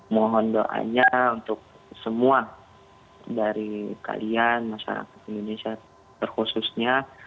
mohon doanya untuk semua dari kalian masyarakat indonesia terkhususnya